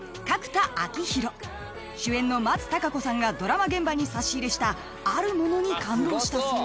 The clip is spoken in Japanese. ［主演の松たか子さんがドラマ現場に差し入れしたある物に感動したそうで］